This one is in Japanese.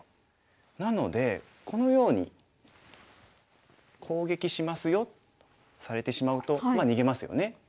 なのでこのように「攻撃しますよ」されてしまうとまあ逃げますよね。